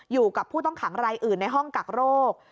อยู่กับผู้ต้องขังรายอื่นในห้องกักโรค